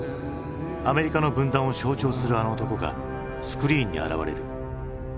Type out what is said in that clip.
アメリカの分断を象徴するあの男がスクリーンに現れる。